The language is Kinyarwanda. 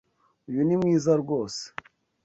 Uyu ni mwiza rwose.